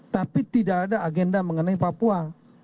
tapi tidak ada agenda mengenai papua